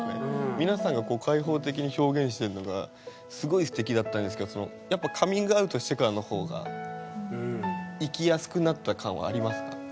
皆さんが開放的に表現してるのがすごいすてきだったんですけどやっぱカミングアウトしてからの方が生きやすくなった感はありますか？